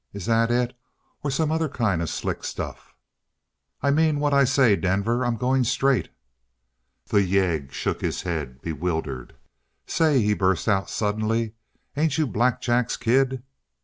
Is that it, or some other kind of slick stuff?" "I mean what I say, Denver. I'm going straight." The yegg shook his head, bewildered. "Say," he burst out suddenly, "ain't you Black Jack's kid?"